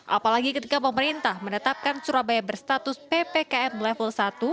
apalagi ketika pemerintah menetapkan surabaya berstatus ppkm level satu